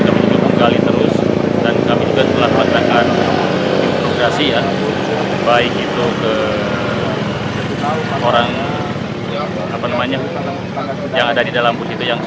kami akan cek terlebih dahulu apakah kirinya itu sudah habis atau tidak